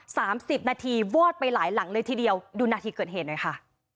สามสิบนาทีวอดไปหลายหลังเลยทีเดียวดูนาทีเกิดเหตุหน่อยค่ะ